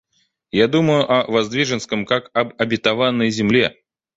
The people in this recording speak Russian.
Я думаю о Воздвиженском, как об обетованной земле.